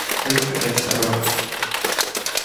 Great against the run.